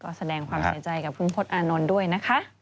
ก็แสดงความเสียใจกับคุณพศอานนท์ด้วยนะคะ